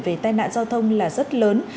về tai nạn giao thông là rất lớn